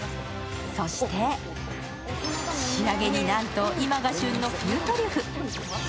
そして仕上げに、なんと今が旬の冬トリュフ。